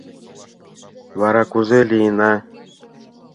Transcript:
— Вара кузе лийына?